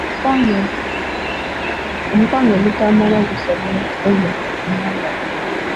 Omukwano ogutamala gusobola okukozza omwagalwa.